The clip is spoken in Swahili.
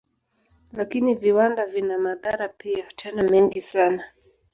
Lakini viwanda vina madhara pia, tena mengi sana.